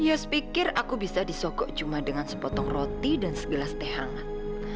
yes pikir aku bisa disokok cuma dengan sepotong roti dan segelas teh hangat